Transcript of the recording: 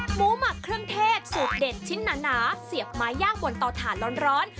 หมักเครื่องเทศสูตรเด็ดชิ้นหนาเสียบไม้ย่างบนเตาถ่านร้อน